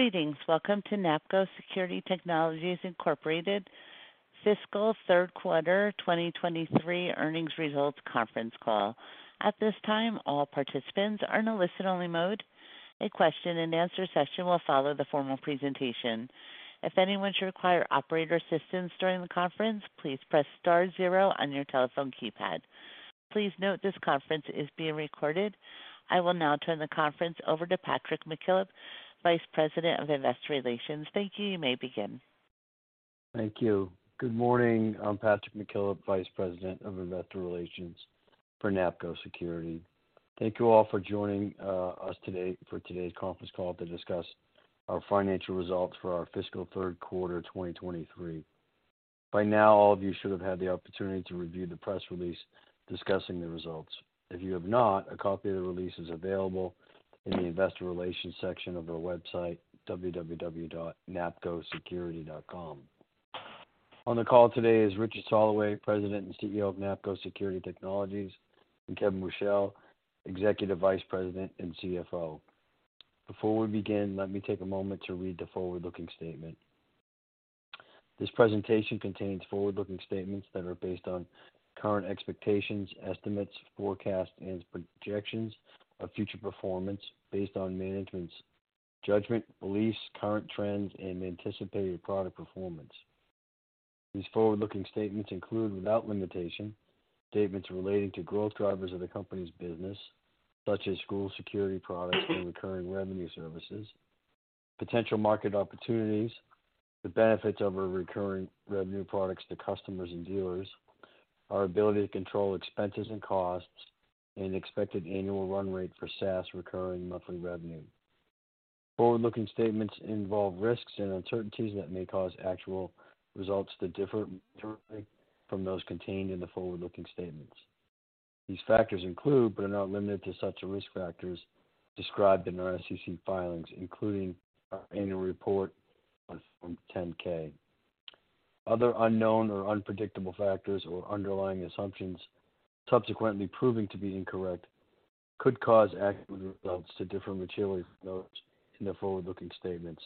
Greetings. Welcome to NAPCO Security Technologies, Inc. Fiscal Q3 2023 Earnings Results Conference Call. At this time, all participants are in a listen-only mode. A question-and-answer session will follow the formal presentation. If anyone should require operator assistance during the conference, please press star 0 on your telephone keypad. Please note this conference is being recorded. I will now turn the conference over to Patrick McKillop, Vice President of Investor Relations. Thank you. You may begin. Thank you. Good morning. I'm Patrick McKillop, Vice President of Investor Relations for NAPCO Security. Thank you all for joining us today for today's conference call to discuss our financial results for our fiscal Q3 2023. By now, all of you should have had the opportunity to review the press release discussing the results. If you have not, a copy of the release is available in the investor relations section of our website, www.napcosecurity.com. On the call today is Richard Soloway, President and CEO of NAPCO Security Technologies, and Kevin Buchel, Executive Vice President and CFO. Before we begin, let me take a moment to read the forward-looking statement. This presentation contains forward-looking statements that are based on current expectations, estimates, forecasts, and projections of future performance based on management's judgment, beliefs, current trends, and anticipated product performance. These forward-looking statements include, without limitation, statements relating to growth drivers of the company's business, such as school security products and recurring revenue services, potential market opportunities, the benefits of our recurring revenue products to customers and dealers, our ability to control expenses and costs, and expected annual run rate for SaaS recurring monthly revenue. Forward-looking statements involve risks and uncertainties that may cause actual results to differ materially from those contained in the forward-looking statements. These factors include, but are not limited to such risk factors described in our SEC filings, including our annual report on Form 10-K. Other unknown or unpredictable factors or underlying assumptions subsequently proving to be incorrect could cause actual results to differ materially from those in the forward-looking statements.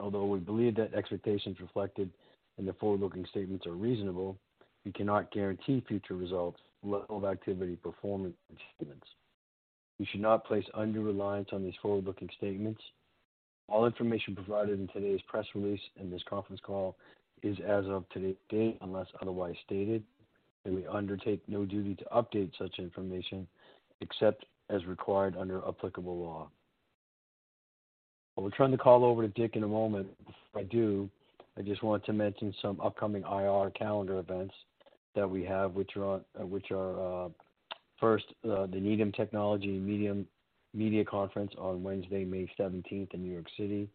Although we believe that expectations reflected in the forward-looking statements are reasonable, we cannot guarantee future results, level of activity, performance, and achievements. You should not place undue reliance on these forward-looking statements. All information provided in today's press release and this conference call is as of to date unless otherwise stated, and we undertake no duty to update such information except as required under applicable law. I will turn the call over to in a moment. Before I do, I just want to mention some upcoming IR calendar events that we have, which are first, the Needham Technology & Media Conference on Wednesday, May 17th in New York City,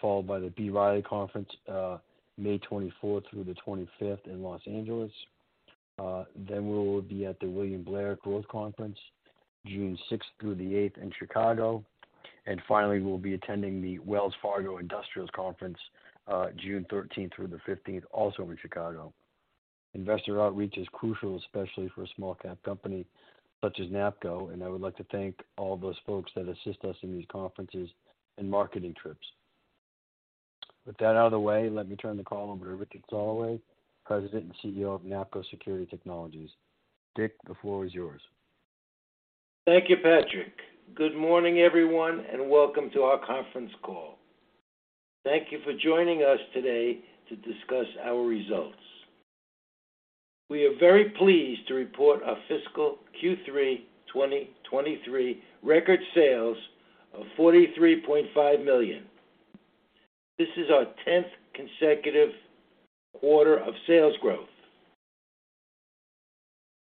followed by the B. Riley Conference, May 24th through the 25th in Los Angeles. We will be at the William Blair Growth Stock Conference June 6th through the 8th in Chicago. Finally, we'll be attending the Wells Fargo Industrials Conference, June 13th through the 15th, also in Chicago. Investor outreach is crucial, especially for a small cap company such as NAPCO. I would like to thank all those folks that assist us in these conferences and marketing trips. With that out of the way, let me turn the call over to Richard Soloway, President and CEO of NAPCO Security Technologies, the floor is yours. Thank you, Patrick. Good morning, everyone, and welcome to our conference call. Thank you for joining us today to discuss our results. We are very pleased to report our fiscal Q3 2023 record sales of $43.5 million. This is our 10th consecutive quarter of sales growth.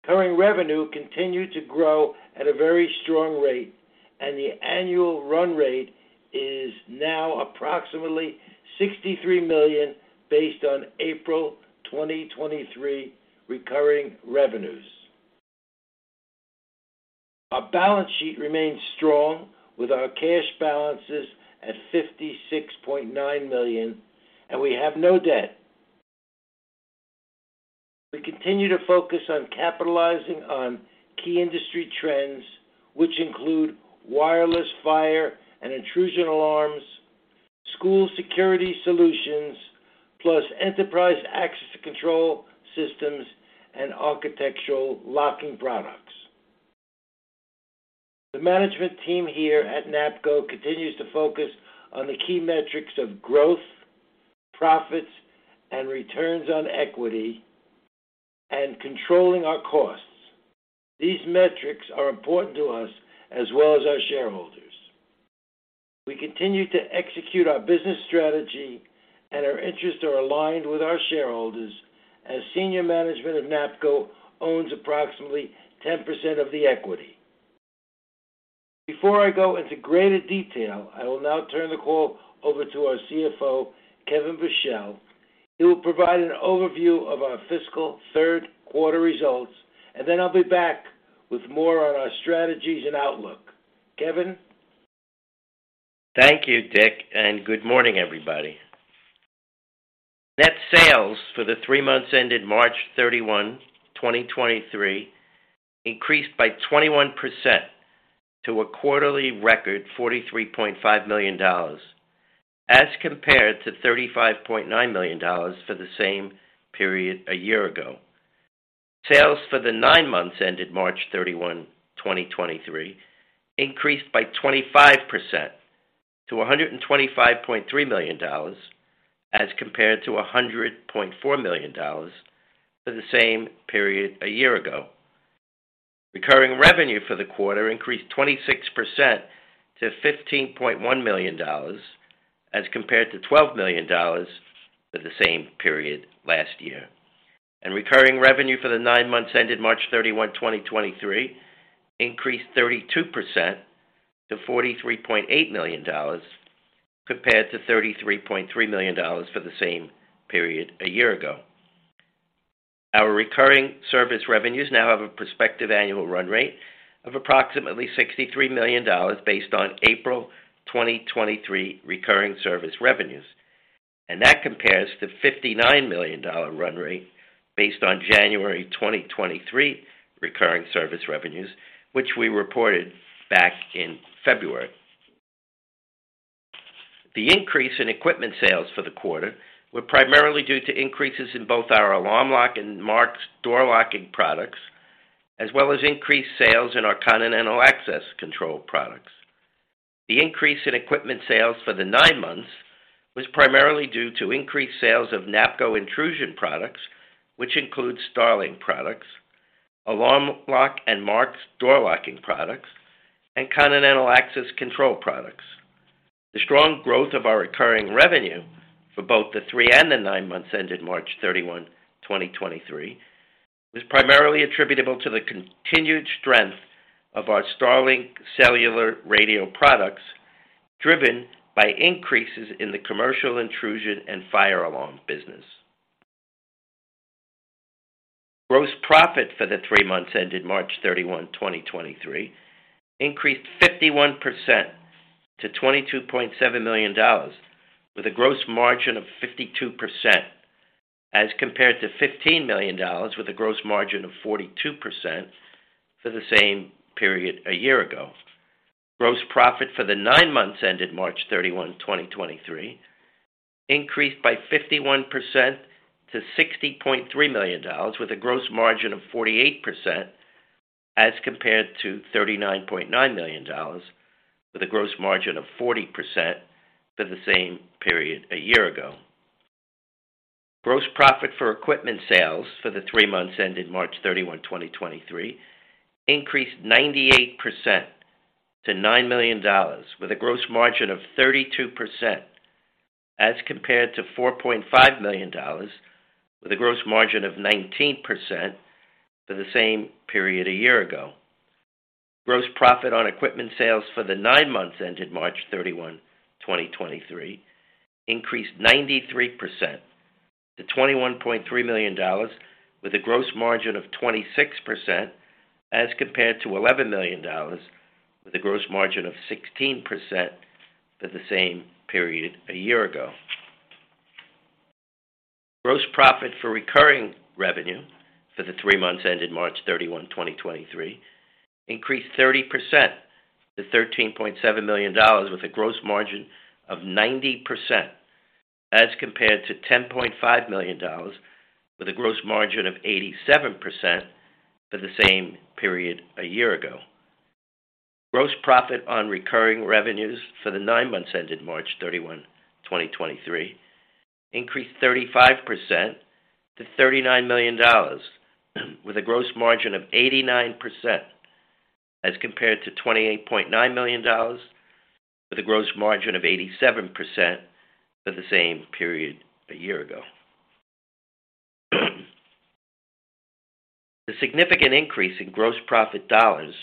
Recurring revenue continued to grow at a very strong rate, and the annual run rate is now approximately $63 million based on April 2023 recurring revenues. Our balance sheet remains strong with our cash balances at $56.9 million, and we have no debt. We continue to focus on capitalizing on key industry trends, which include wireless fire and intrusion alarms, school security solutions, plus enterprise access control systems and architectural locking products. The management team here at NAPCO continues to focus on the key metrics of growth, profits, and returns on equity and controlling our costs. These metrics are important to us as well as our shareholders. We continue to execute our business strategy and our interests are aligned with our shareholders as senior management of NAPCO owns approximately 10% of the equity. Before I go into greater detail, I will now turn the call over to our CFO, Kevin Buchel. He will provide an overview of our fiscal Q3 results, and then I'll be back with more on our strategies and outlook. Kevin? Thank you. Good morning, everybody. Net sales for the three months ended March 31, 2023, increased by 21% to a quarterly record $43.5 million, as compared to $35.9 million for the same period a year ago. Sales for the nine months ended March 31, 2023, increased by 25% to $125.3 million, as compared to $100.4 million for the same period a year ago. Recurring revenue for the quarter increased 26% to $15.1 million, as compared to $12 million for the same period last year. Recurring revenue for the nine months ended March 31, 2023, increased 32% to $43.8 million, compared to $33.3 million for the same period a year ago. Our recurring service revenues now have a prospective annual run rate of approximately $63 million based on April 2023 recurring service revenues. That compares to $59 million run rate based on January 2023 recurring service revenues, which we reported back in February. The increase in equipment sales for the quarter were primarily due to increases in both our Alarm Lock and Marks door locking products, as well as increased sales in our Continental Access control products. The increase in equipment sales for the nine months was primarily due to increased sales of NAPCO intrusion products, which includes StarLink products, Alarm Lock and Marks door locking products, and Continental Access control products. The strong growth of our recurring revenue for both the three and the nine months ended March 31, 2023, was primarily attributable to the continued strength of our StarLink cellular radio products, driven by increases in the commercial intrusion and fire alarm business. Gross profit for the three months ended March 31, 2023 increased 51% to $22.7 million with a gross margin of 52%, as compared to $15 million with a gross margin of 42% for the same period a year ago. Gross profit for the nine months ended March 31, 2023 increased by 51% to $60.3 million with a gross margin of 48%, as compared to $39.9 million with a gross margin of 40% for the same period a year ago. Gross profit for equipment sales for the three months ended March 31, 2023 increased 98% to $9 million with a gross margin of 32%, as compared to $4.5 million with a gross margin of 19% for the same period a year ago. Gross profit on equipment sales for the nine months ended March 31, 2023 increased 93% to $21.3 million with a gross margin of 26%, as compared to $11 million with a gross margin of 16% for the same period a year ago. Gross profit for recurring revenue for the nine months ended March 31, 2023 increased 30% to $13.7 million with a gross margin of 90%, as compared to $10.5 million with a gross margin of 87% for the same period a year ago. Gross profit on recurring revenues for the 9 months ended March 31, 2023 increased 35% to $39 million with a gross margin of 89%, as compared to $28.9 million with a gross margin of 87% for the same period a year ago. The significant increase in gross profit dollars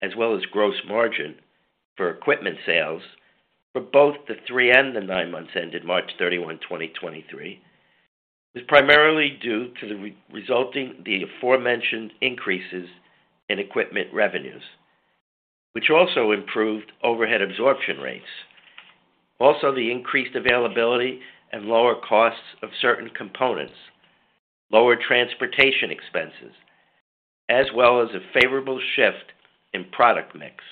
as well as gross margin for equipment sales for both the three and nine months ended March 31, 2023, is primarily due to the aforementioned increases in equipment revenues, which also improved overhead absorption rates. The increased availability and lower costs of certain components, lower transportation expenses, as well as a favorable shift in product mix,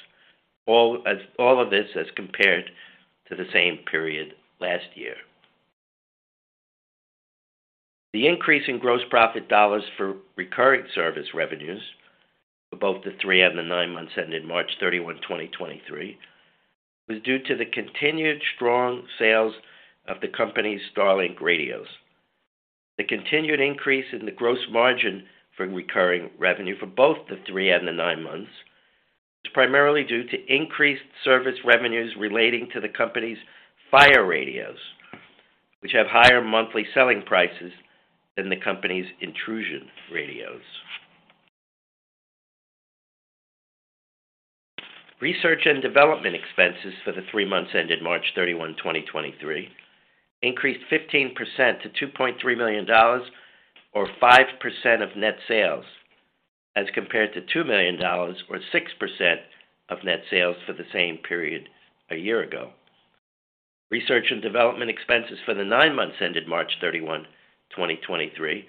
all of this as compared to the same period last year. The increase in gross profit dollars for recurring service revenues for both the three and the nine months ended March 31, 2023, was due to the continued strong sales of the company's StarLink radios. The continued increase in the gross margin for recurring revenue for both the three and the nine months is primarily due to increased service revenues relating to the company's fire radios, which have higher monthly selling prices than the company's intrusion radios. Research and development expenses for the three months ended March 31, 2023, increased 15% to $2.3 million or 5% of net sales. As compared to $2 million or 6% of net sales for the same period a year ago. Research and development expenses for the nine months ended March 31, 2023,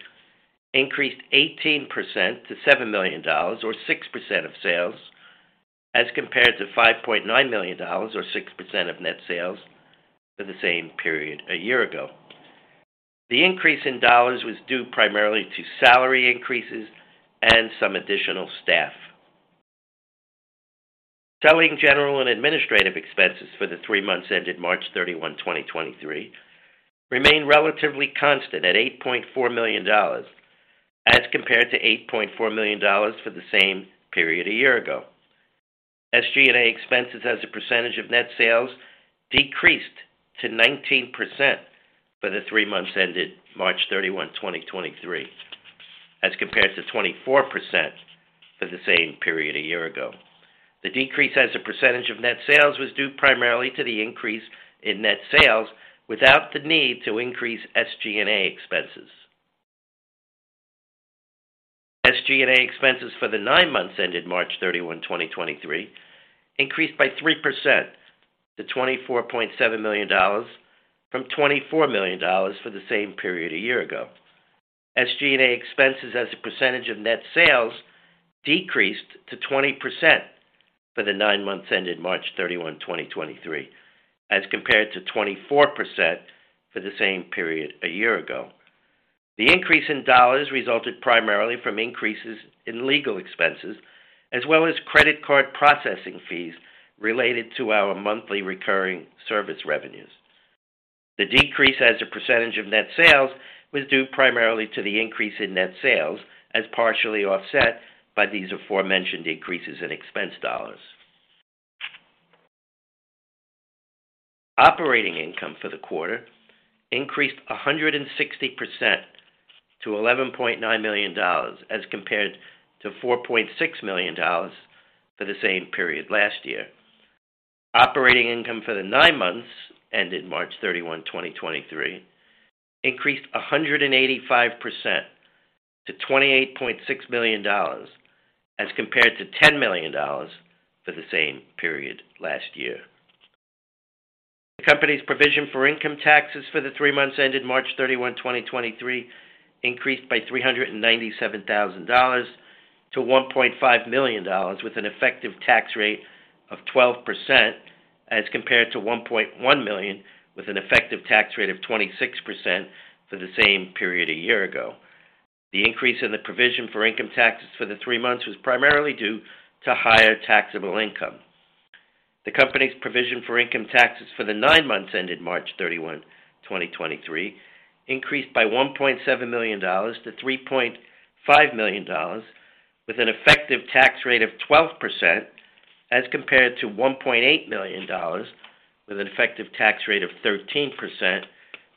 increased 18% to $7 million or 6% of sales, as compared to $5.9 million or 6% of net sales for the same period a year ago. The increase in dollars was due primarily to salary increases and some additional staff. Selling, general, and administrative expenses for the three months ended March 31, 2023, remained relatively constant at $8.4 million as compared to $8.4 million for the same period a year ago. SG&A expenses as a percentage of net sales decreased to 19% for the three months ended March 31, 2023, as compared to 24% for the same period a year ago. The decrease as a percentage of net sales was due primarily to the increase in net sales without the need to increase SG&A expenses. SG&A expenses for the nine months ended March 31, 2023, increased by 3% to $24.7 million from $24 million for the same period a year ago. SG&A expenses as a percentage of net sales decreased to 20% for the nine months ended March 31, 2023, as compared to 24% for the same period a year ago. The increase in dollars resulted primarily from increases in legal expenses as well as credit card processing fees related to our monthly recurring service revenues. The decrease as a percentage of net sales was due primarily to the increase in net sales as partially offset by these aforementioned increases in expense dollars. Operating income for the quarter increased 160% to $11.9 million as compared to $4.6 million for the same period last year. Operating income for the nine months ended March 31, 2023, increased 185% to $28.6 million as compared to $10 million for the same period last year. The company's provision for income taxes for the three months ended March 31, 2023, increased by $397,000 to $1.5 million with an effective tax rate of 12% as compared to $1.1 million with an effective tax rate of 26% for the same period a year ago. The increase in the provision for income taxes for the three months was primarily due to higher taxable income. The company's provision for income taxes for the nine months ended March 31, 2023, increased by $1.7 million to $3.5 million with an effective tax rate of 12% as compared to $1.8 million with an effective tax rate of 13%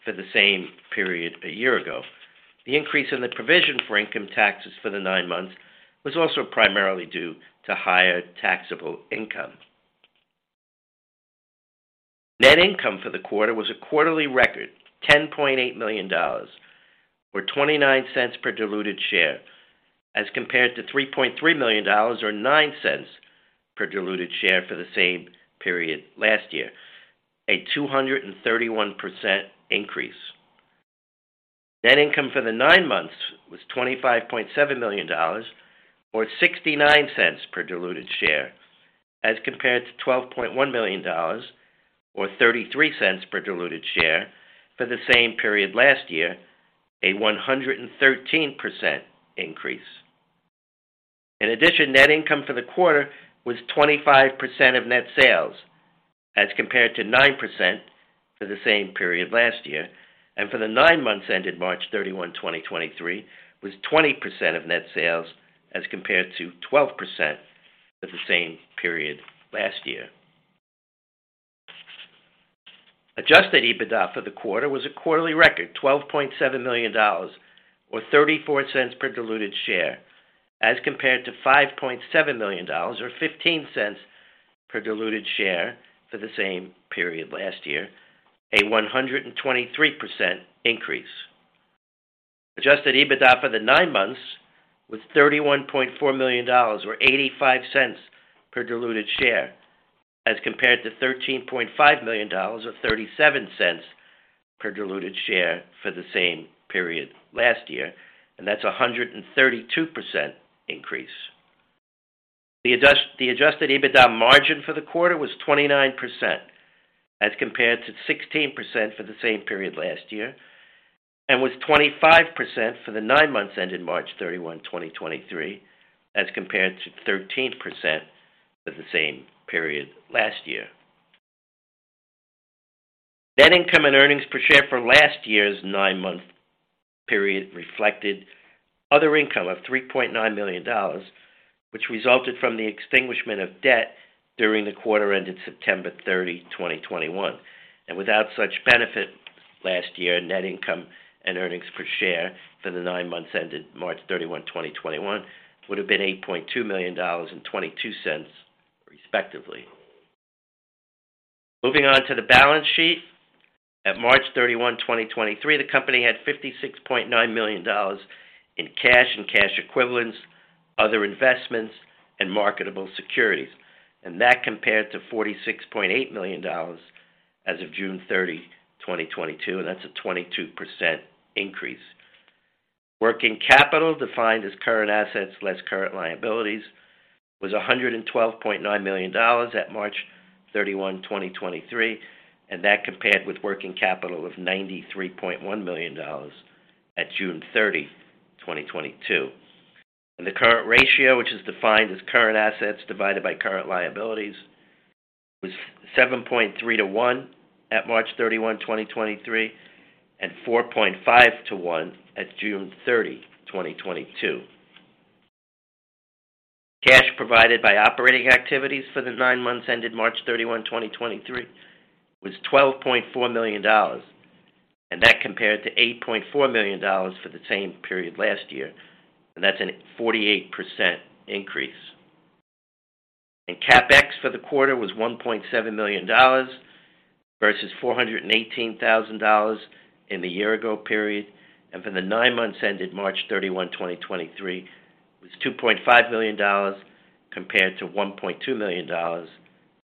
for the same period a year ago. The increase in the provision for income taxes for the nine months was also primarily due to higher taxable income. Net income for the quarter was a quarterly record $10.8 million or $0.29 per diluted share as compared to $3.3 million or $0.09 per diluted share for the same period last year, a 231% increase. Net income for the nine months was $25.7 million or $0.69 per diluted share as compared to $12.1 million or $0.33 per diluted share for the same period last year, a 113% increase. Net income for the quarter was 25% of net sales as compared to 9% for the same period last year and for the nine months ended March 31, 2023, was 20% of net sales as compared to 12% for the same period last year. Adjusted EBITDA for the quarter was a quarterly record $12.7 million or $0.34 per diluted share as compared to $5.7 million or $0.15 per diluted share for the same period last year, a 123% increase. Adjusted EBITDA for the nine months was $31.4 million or $0.85 per diluted share as compared to $13.5 million or $0.37 per diluted share for the same period last year, that's 132% increase. The Adjusted EBITDA margin for the quarter was 29% as compared to 16% for the same period last year and was 25% for the nine months ended March 31, 2023, as compared to 13% for the same period last year. Without such benefit last year, net income and earnings per share for the nine months ended March 31, 2021, would have been $8.2 million and $0.22, respectively. Moving on to the balance sheet. At March 31, 2023, the company had $56.9 million in cash and cash equivalents, other investments and marketable securities, and that compared to $46.8 million as of June 30, 2022, and that's a 22% increase. Working capital, defined as current assets less current liabilities, was $112.9 million at March 31, 2023. That compared with working capital of $93.1 million at June 30, 2022. The current ratio, which is defined as current assets divided by current liabilities, was 7.3 to one at March 31, 2023, and 4.5 to one at June 30, 2022. Cash provided by operating activities for the nine months ended March 31, 2023, was $12.4 million. That compared to $8.4 million for the same period last year. That's a 48% increase. CapEx for the quarter was $1.7 million versus $418,000 in the year ago period. For the nine months ended March 31, 2023, it was $2.5 million compared to $1.2 million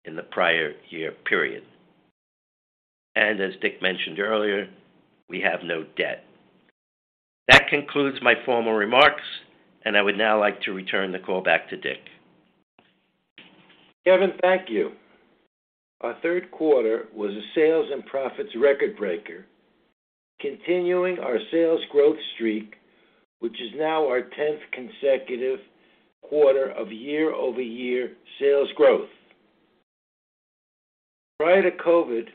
in the prior year period. As mentioned earlier, we have no debt. That concludes my formal remarks, and I would now like to return the call back to. Kevin, thank you. Our Q3 was a sales and profits record breaker, continuing our sales growth streak, which is now our 10th consecutive quarter of year-over-year sales growth. Prior to COVID,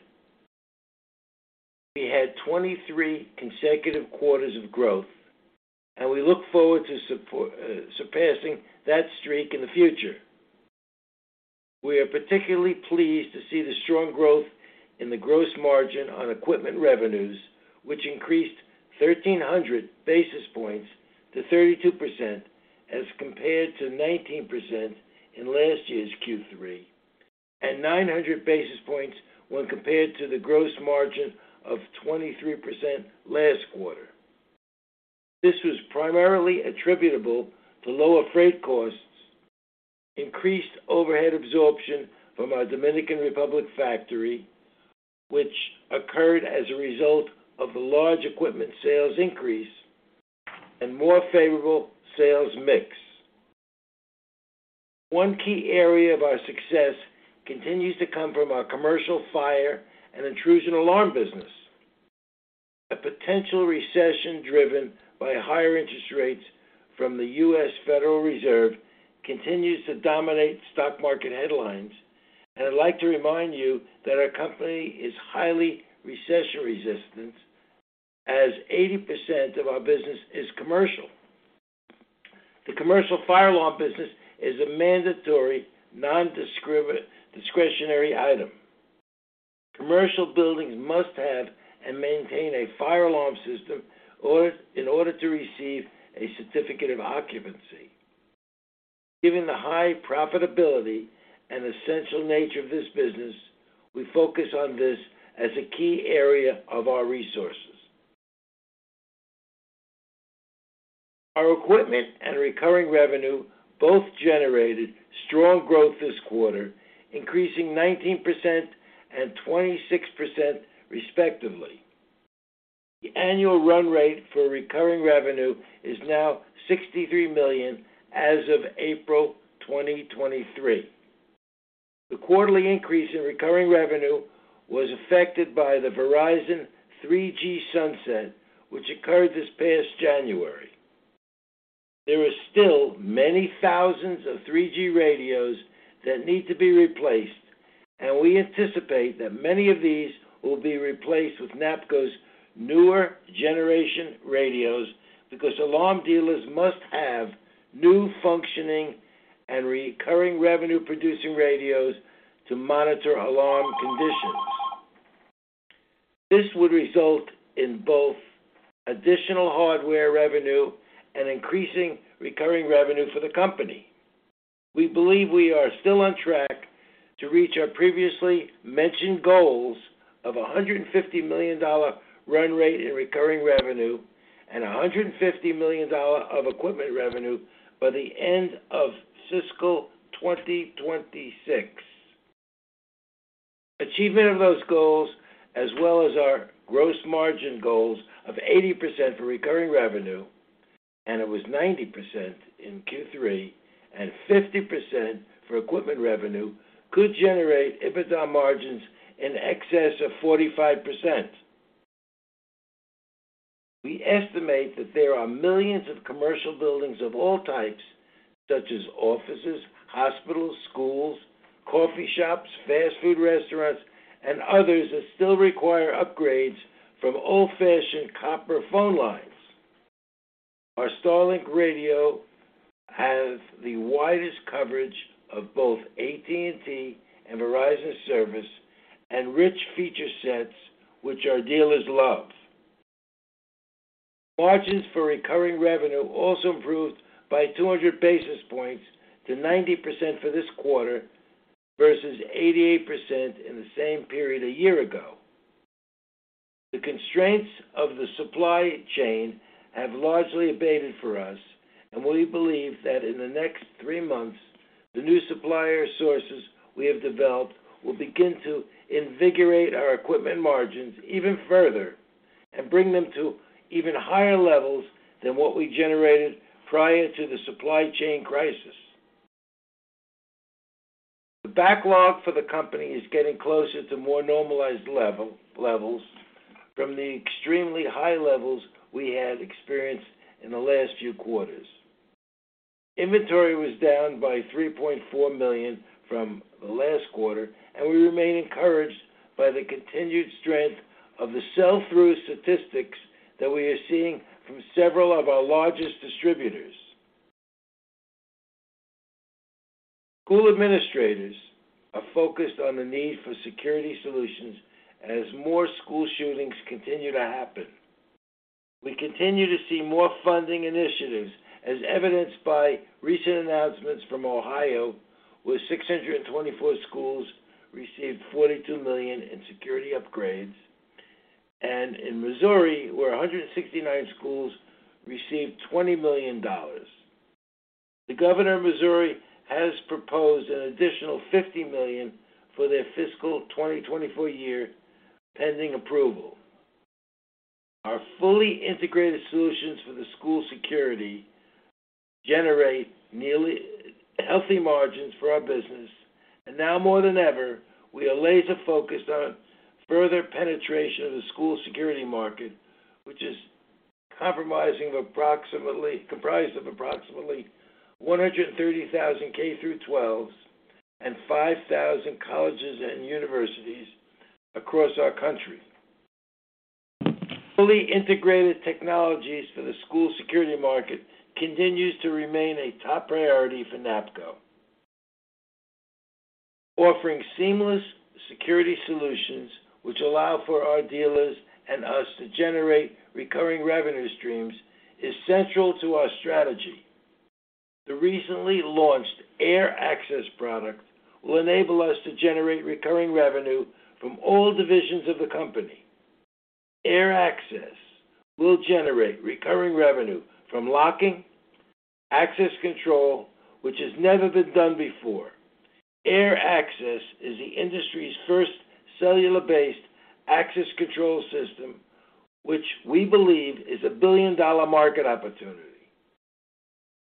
we had 23 consecutive quarters of growth, we look forward to surpassing that streak in the future. We are particularly pleased to see the strong growth in the gross margin on equipment revenues, which increased 1,300 basis points to 32% as compared to 19% in last year's Q3 and 900 basis points when compared to the gross margin of 23% last quarter. This was primarily attributable to lower freight costs, increased overhead absorption from our Dominican Republic factory, which occurred as a result of the large equipment sales increase and more favorable sales mix. One key area of our success continues to come from our commercial fire and intrusion alarm business. A potential recession driven by higher interest rates from the US Federal Reserve continues to dominate stock market headlines. I'd like to remind you that our company is highly recession resistant as 80% of our business is commercial. The commercial fire alarm business is a mandatory discretionary item. Commercial buildings must have and maintain a fire alarm system in order to receive a certificate of occupancy. Given the high profitability and essential nature of this business, we focus on this as a key area of our resources. Our equipment and recurring revenue both generated strong growth this quarter, increasing 19% and 26% respectively. The annual run rate for recurring revenue is now $63 million as of April 2023. The quarterly increase in recurring revenue was affected by the Verizon 3G sunset, which occurred this past January. There are still many thousands of 3G radios that need to be replaced. We anticipate that many of these will be replaced with NAPCO's newer generation radios because alarm dealers must have new functioning and recurring revenue producing radios to monitor alarm conditions. This would result in both additional hardware revenue and increasing recurring revenue for the company. We believe we are still on track to reach our previously mentioned goals of a $150 million run rate in recurring revenue and a $150 million of equipment revenue by the end of fiscal 2026. Achievement of those goals as well as our gross margin goals of 80% for recurring revenue, and it was 90% in Q3 and 50% for equipment revenue could generate EBITDA margins in excess of 45%. We estimate that there are millions of commercial buildings of all types such as offices, hospitals, schools, coffee shops, fast food restaurants and others that still require upgrades from old-fashioned copper phone lines. Our StarLink Radio have the widest coverage of both AT&T and Verizon service and rich feature sets which our dealers love. Margins for recurring revenue also improved by 200 basis points to 90% for this quarter versus 88% in the same period a year ago. The constraints of the supply chain have largely abated for us, and we believe that in the next three months, the new supplier sources we have developed will begin to invigorate our equipment margins even further and bring them to even higher levels than what we generated prior to the supply chain crisis. The backlog for the company is getting closer to more normalized levels from the extremely high levels we had experienced in the last few quarters. Inventory was down by $3.4 million from last quarter, and we remain encouraged by the continued strength of the sell-through statistics that we are seeing from several of our largest distributors. School administrators are focused on the need for security solutions as more school shootings continue to happen. We continue to see more funding initiatives as evidenced by recent announcements from Ohio, where 624 schools received $42 million in security upgrades, and in Missouri, where 169 schools received $20 million. The governor of Missouri has proposed an additional $50 million for their fiscal 2024 year, pending approval. Our fully integrated solutions for the school security generate nearly healthy margins for our business. Now more than ever, we are laser-focused on further penetration of the school security market, which is comprised of approximately 130,000 K-12s and 5,000 colleges and universities across our country. Fully integrated technologies for the school security market continues to remain a top priority for NAPCO. Offering seamless security solutions which allow for our dealers and us to generate recurring revenue streams is central to our strategy. The recently launched AirAccess product will enable us to generate recurring revenue from all divisions of the company. AirAccess will generate recurring revenue from locking, access control, which has never been done before. AirAccess is the industry's first cellular-based access control system, which we believe is a billion-dollar market opportunity.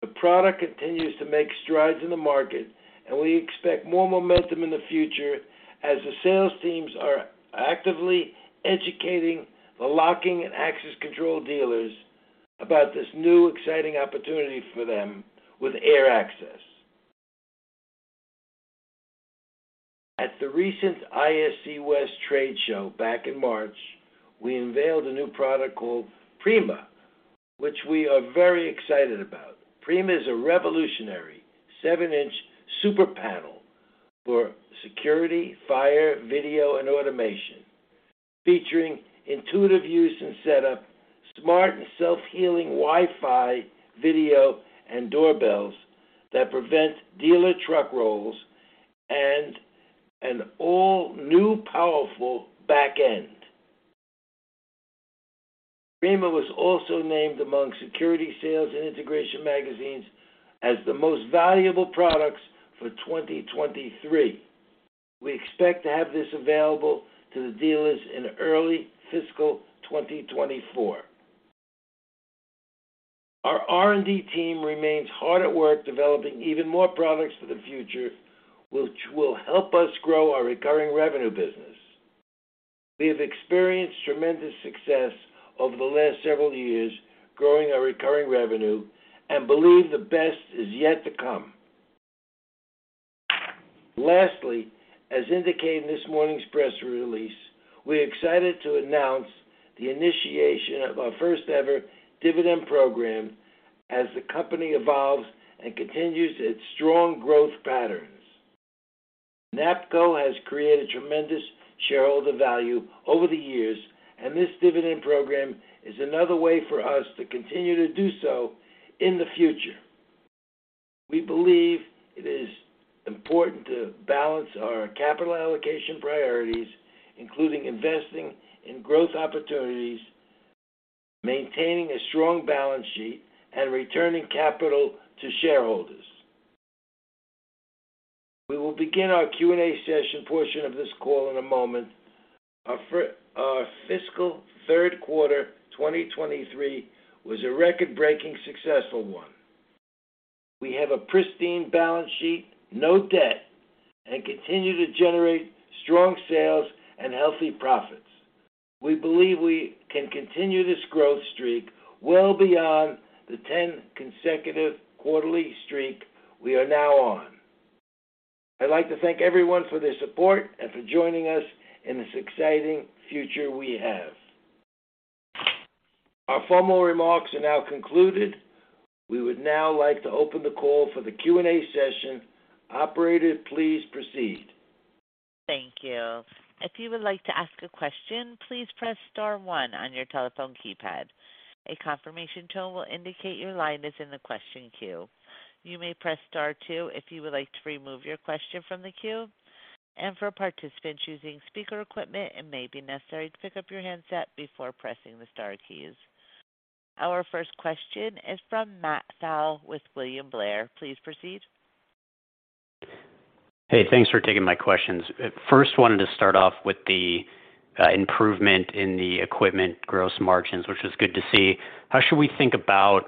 The product continues to make strides in the market, and we expect more momentum in the future as the sales teams are actively educating the locking and access control dealers about this new exciting opportunity for them with AirAccess. At the recent ISC West trade show back in March, we unveiled a new product called Prima, which we are very excited about. Prima is a revolutionary 7-inch super panel for security, fire, video, and automation, featuring intuitive use and setup, smart and self-healing Wi-Fi video, and doorbells that prevent dealer truck rolls and an all new powerful back end. Prima was also named among Security Sales and Integration magazines as the most valuable products for 2023. We expect to have this available to the dealers in early fiscal 2024. Our R&D team remains hard at work developing even more products for the future which will help us grow our recurring revenue business. We have experienced tremendous success over the last several years growing our recurring revenue and believe the best is yet to come. Lastly, as indicated in this morning's press release, we're excited to announce the initiation of our first-ever dividend program as the company evolves and continues its strong growth patterns. NAPCO has created tremendous shareholder value over the years, this dividend program is another way for us to continue to do so in the future. We believe it is important to balance our capital allocation priorities, including investing in growth opportunities, maintaining a strong balance sheet, and returning capital to shareholders. We will begin our Q&A session portion of this call in a moment. Our fiscal Q3 2023 was a record-breaking successful one. We have a pristine balance sheet, no debt, continue to generate strong sales and healthy profits. We believe we can continue this growth streak well beyond the 10 consecutive quarterly streak we are now on. I'd like to thank everyone for their support and for joining us in this exciting future we have. Our formal remarks are now concluded. We would now like to open the call for the Q&A session. Operator, please proceed. Thank you. If you would like to ask a question, please press star one on your telephone keypad. A confirmation tone will indicate your line is in the question queue. You may press star two if you would like to remove your question from the queue. For participants using speaker equipment, it may be necessary to pick up your handset before pressing the star keys. Our first question is from Matt Thal with William Blair. Please proceed. Hey, thanks for taking my questions. First, wanted to start off with the improvement in the equipment gross margins, which was good to see. How should we think about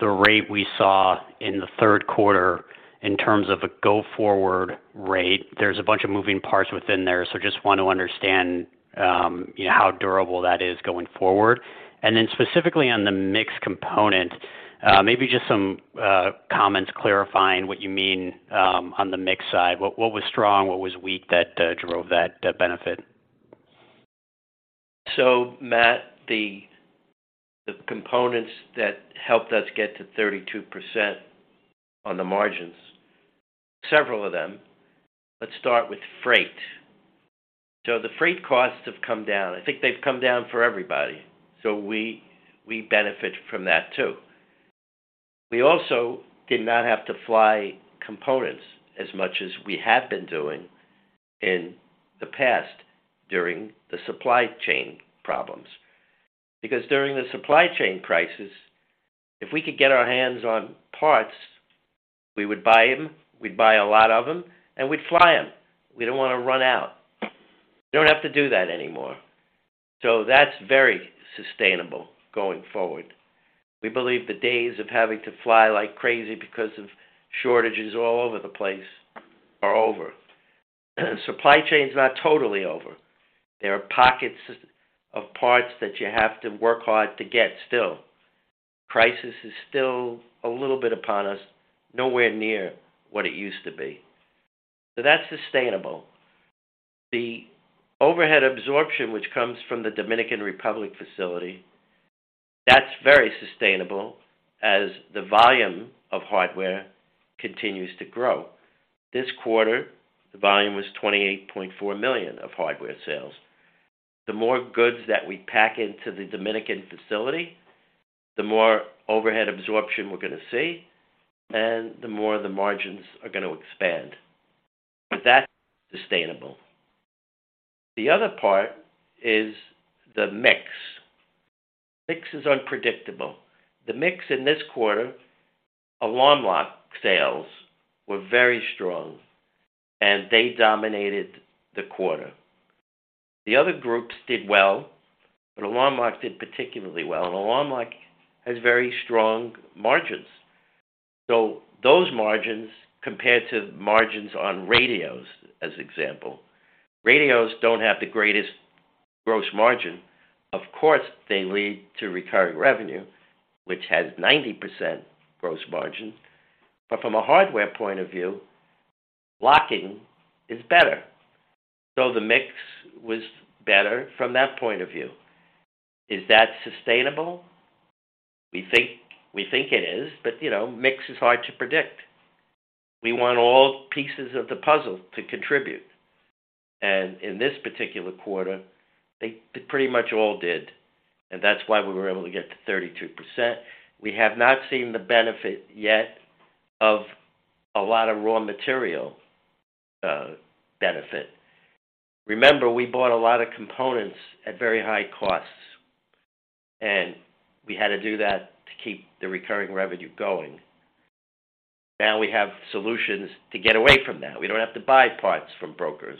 the rate we saw in the Q3 in terms of a go-forward rate? There's a bunch of moving parts within there, so just want to understand how durable that is going forward. Then specifically on the mix component, maybe just some comments clarifying what you mean on the mix side. What was strong, what was weak that drove that benefit? Matt, the components that helped us get to 32% on the margins, several of them. Let's start with freight. The freight costs have come down. I think they've come down for everybody, so we benefit from that too. We also did not have to fly components as much as we have been doing in the past during the supply chain problems. During the supply chain crisis, if we could get our hands on parts, we would buy them, we'd buy a lot of them, and we'd fly them. We didn't want to run out. We don't have to do that anymore. That's very sustainable going forward. We believe the days of having to fly like crazy because of shortages all over the place are over. Supply chain is not totally over. There are pockets of parts that you have to work hard to get still. Crisis is still a little bit upon us, nowhere near what it used to be. That's sustainable. The overhead absorption, which comes from the Dominican Republic facility, that's very sustainable as the volume of hardware continues to grow. This quarter, the volume was $28.4 million of hardware sales. The more goods that we pack into the Dominican facility, the more overhead absorption we're going to see, and the more the margins are going to expand. That's sustainable. The other part is the mix. Mix is unpredictable. The mix in this quarter, Alarm Lock sales were very strong, and they dominated the quarter. The other groups did well, but Alarm Lock did particularly well. Alarm Lock has very strong margins. Those margins compared to margins on radios as example. Radios don't have the greatest gross margin. Of course, they lead to recurring revenue, which has 90% gross margin. From a hardware point of view, locking is better. The mix was better from that point of view. Is that sustainable? We think it is, but you know, mix is hard to predict. We want all pieces of the puzzle to contribute. In this particular quarter, they pretty much all did, and that's why we were able to get to 32%. We have not seen the benefit yet of a lot of raw material benefit. Remember, we bought a lot of components at very high costs, and we had to do that to keep the recurring revenue going. Now we have solutions to get away from that. We don't have to buy parts from brokers,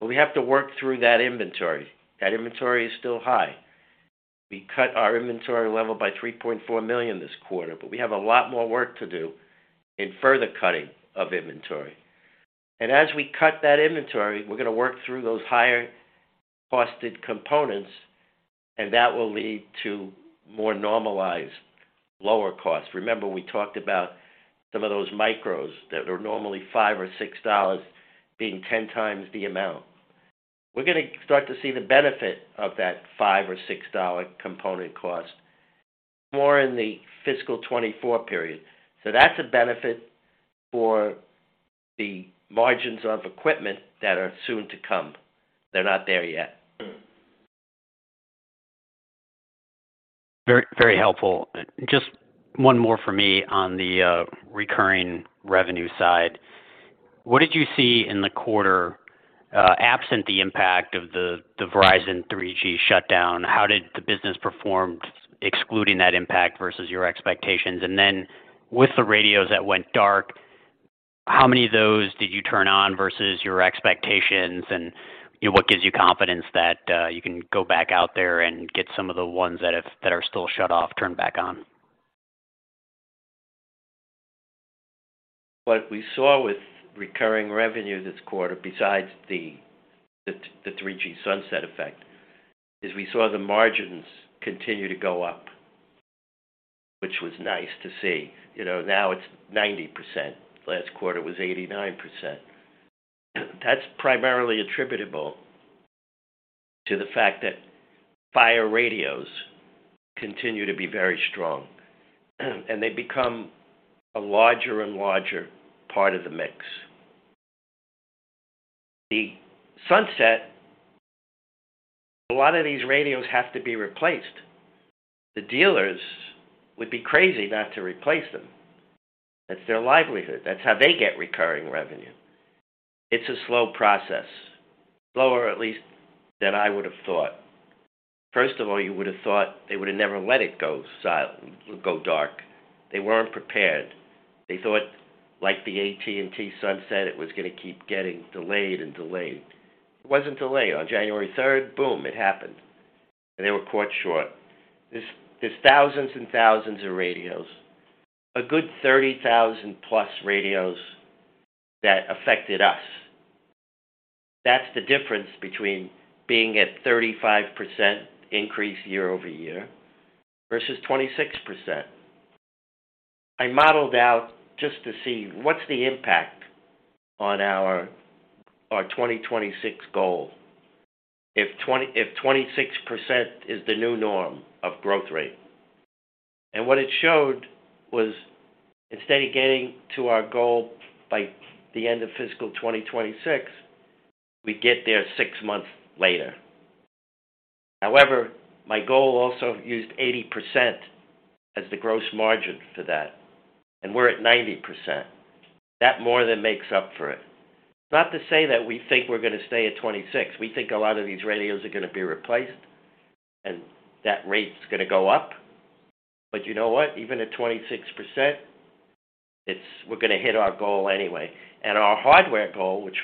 but we have to work through that inventory. That inventory is still high. We cut our inventory level by $3.4 million this quarter, but we have a lot more work to do in further cutting of inventory. As we cut that inventory, we're going to work through those higher-costed components, and that will lead to more normalized lower costs. Remember, we talked about some of those micros that are normally $5 or $6 being 10 times the amount. We're going to start to see the benefit of that $5 or $6 component cost more in the fiscal 2024 period. That's a benefit for the margins of equipment that are soon to come. They're not there yet. Very, very helpful. Just one more for me on the recurring revenue side. What did you see in the quarter, absent the impact of the Verizon 3G shutdown? How did the business perform excluding that impact versus your expectations? Then with the radios that went dark, how many of those did you turn on versus your expectations? What gives you confidence that you can go back out there and get some of the ones that are still shut off, turned back on? What we saw with recurring revenue this quarter, besides the 3G sunset effect, is we saw the margins continue to go up, which was nice to see. You know, now it's 90%. Last quarter was 89%. That's primarily attributable To the fact that fire radios continue to be very strong, and they become a larger and larger part of the mix. The sunset, a lot of these radios have to be replaced. The dealers would be crazy not to replace them. That's their livelihood. That's how they get recurring revenue. It's a slow process. Slower, at least, than I would have thought. First of all, you would have thought they would have never let it go dark. They weren't prepared. They thought, like the AT&T sunset, it was gonna keep getting delayed and delayed. It wasn't delayed. On January third, boom, it happened, and they were caught short. There's thousands and thousands of radios. A good 30,000 plus radios that affected us. That's the difference between being at 35% increase year-over-year versus 26%. I modeled out just to see what's the impact on our 2026 goal if 26% is the new norm of growth rate. What it showed was instead of getting to our goal by the end of fiscal 2026, we get there six months later. However, my goal also used 80% as the gross margin for that, and we're at 90%. That more than makes up for it. Not to say that we think we're gonna stay at 26. We think a lot of these radios are gonna be replaced, and that rate's gonna go up. You know what? Even at 26%, it's... we're gonna hit our goal anyway. Our hardware goal, which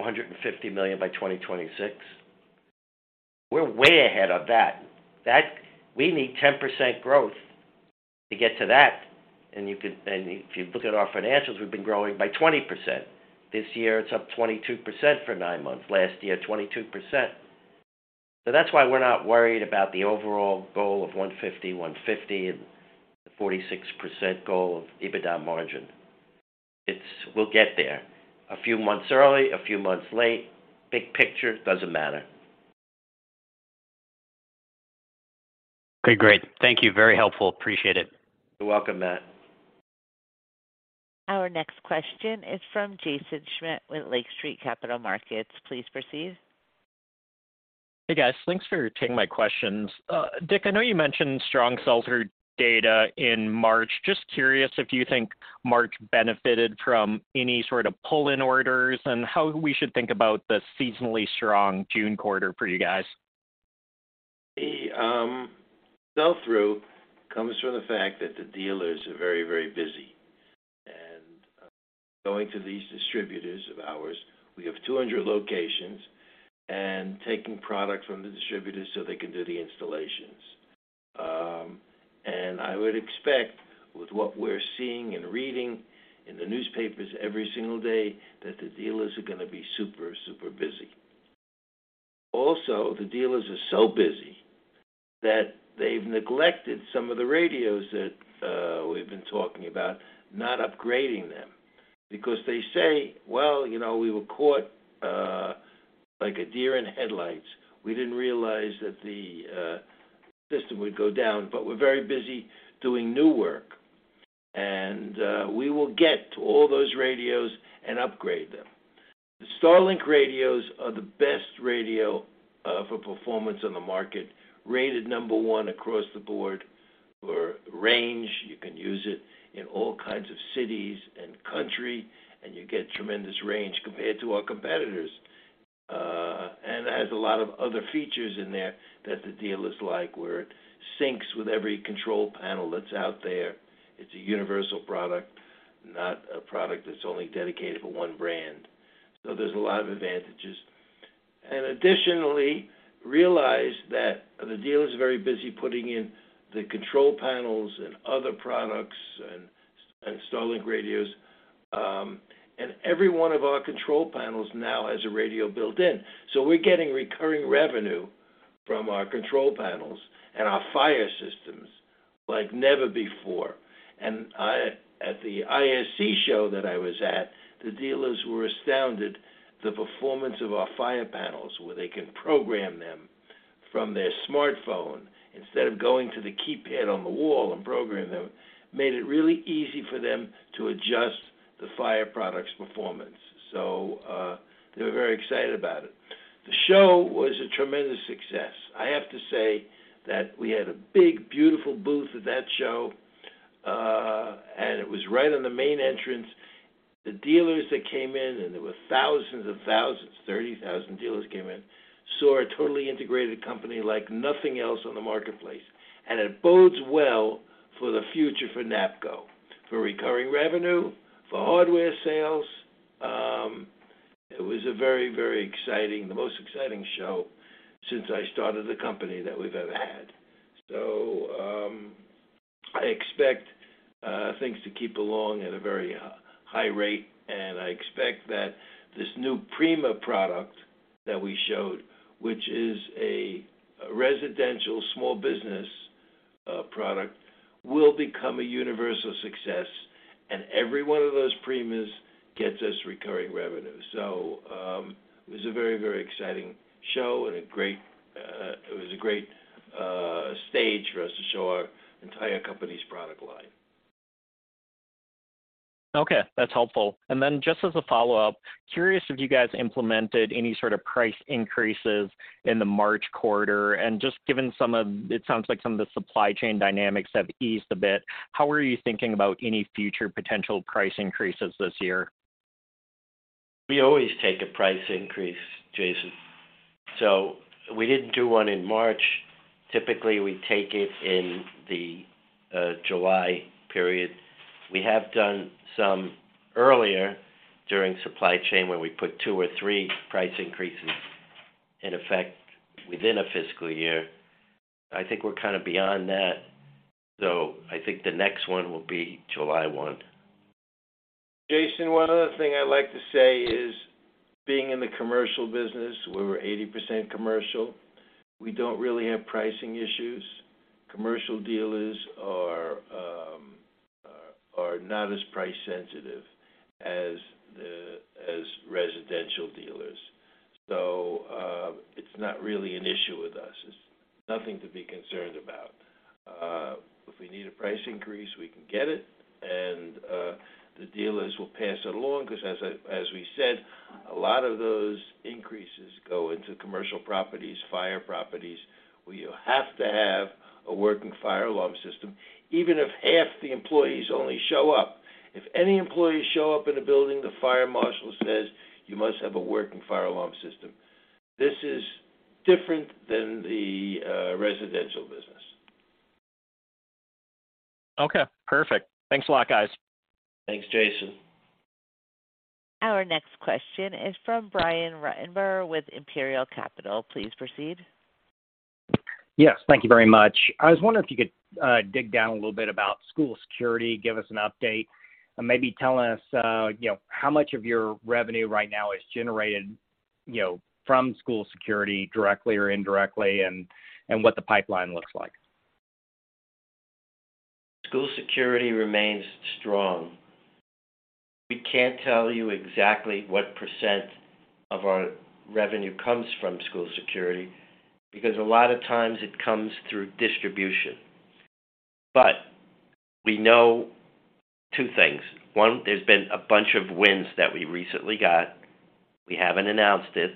was $150 million by 2026, we're way ahead of that. We need 10% growth to get to that, you look at our financials, we've been growing by 20%. This year, it's up 22% for nine months. Last year, 22%. That's why we're not worried about the overall goal of $150, $150, and 46% goal of EBITDA margin. It's we'll get there a few months early, a few months late. Big picture, doesn't matter. Okay, great. Thank you. Very helpful. Appreciate it. You're welcome, Matt. Our next question is from Jaeson Schmidt with Lake Street Capital Markets. Please proceed. Hey, guys. Thanks for taking my questions. I know you mentioned strong sell-through data in March. Just curious if you think March benefited from any sort of pull-in orders and how we should think about the seasonally strong June quarter for you guys. The sell-through comes from the fact that the dealers are very, very busy. Going to these distributors of ours, we have 200 locations, and taking product from the distributors so they can do the installations. I would expect with what we're seeing and reading in the newspapers every single day, that the dealers are gonna be super busy. Also, the dealers are so busy that they've neglected some of the StarLink Radios that we've been talking about, not upgrading them because they say, "Well, you know, we were caught like a deer in headlights. We didn't realize that the system would go down, but we're very busy doing new work. We will get to all those radios and upgrade them. The StarLink radios are the best radio for performance on the market, rated number one across the board for range. You can use it in all kinds of cities and country, and you get tremendous range compared to our competitors. It has a lot of other features in there that the dealers like, where it syncs with every control panel that's out there. It's a universal product, not a product that's only dedicated for one brand. There's a lot of advantages. Additionally, realize that the dealer is very busy putting in the control panels and other products and StarLink radios. Every one of our control panels now has a radio built in. We're getting recurring revenue from our control panels and our fire systems like never before. at the ISC show that I was at, the dealers were astounded the performance of our fire panels, where they can program them from their smartphone instead of going to the keypad on the wall and program them, made it really easy for them to adjust the fire product's performance. They were very excited about it. The show was a tremendous success. I have to say that we had a big, beautiful booth at that show, and it was right on the main entrance. The dealers that came in, and there were thousands and thousands, 30,000 dealers came in, saw a totally integrated company like nothing else on the marketplace. It bodes well for the future for NAPCO, for recurring revenue, for hardware sales. It was a very, very exciting, the most exciting show since I started the company that we've ever had. I expect things to keep along at a very high rate, and I expect that this new Prima product that we showed, which is a residential small business product will become a universal success, and every one of those Primas gets us recurring revenue. It was a very, very exciting show and a great stage for us to show our entire company's product line. Okay. That's helpful. Then just as a follow-up, curious if you guys implemented any sort of price increases in the March quarter. Just given It sounds like some of the supply chain dynamics have eased a bit, how are you thinking about any future potential price increases this year? We always take a price increase, Jason. We didn't do one in March. Typically, we take it in the July period. We have done some earlier during supply chain, where we put two or three price increases in effect within a fiscal year. I think we're kinda beyond that, so I think the next one will be July one. Jason, one other thing I'd like to say is, being in the commercial business, we're 80% commercial, we don't really have pricing issues. Commercial dealers are not as price sensitive as residential dealers. It's not really an issue with us. It's nothing to be concerned about. If we need a price increase, we can get it, the dealers will pass it along, 'cause as we said, a lot of those increases go into commercial properties, fire properties, where you have to have a working fire alarm system. Even if half the employees only show up, if any employees show up in a building, the fire marshal says, "You must have a working fire alarm system." This is different than the residential business. Okay. Perfect. Thanks a lot, guys. Thanks, Jason. Our next question is from Brian Ruttenbur with Imperial Capital. Please proceed. Thank you very much. I was wondering if you could dig down a little bit about school security, give us an update, and maybe tell us, you know, how much of your revenue right now is generated, you know, from school security directly or indirectly, and what the pipeline looks like? School security remains strong. We can't tell you exactly what % of our revenue comes from school security, because a lot of times it comes through distribution. We know two things. one, there's been a bunch of wins that we recently got. We haven't announced it.